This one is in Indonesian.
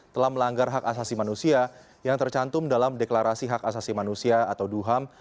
telah melanggar hak asasi manusia yang tercantum dalam deklarasi hak asasi manusia atau duham